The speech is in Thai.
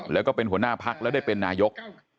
แล้วก็เป็นหัวหน้าพักแล้วได้เป็นนายก